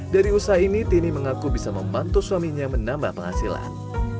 dari usaha ini tini mengaku bisa membantu suaminya menambah penghasilan